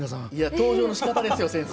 登場のしかたですよ先生。